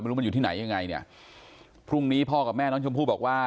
ไม่รู้มันอยู่ที่ไหนยังไงเนี่ยพรุ่งนี้พ่อกับแม่น้องชมพู่บอกว่า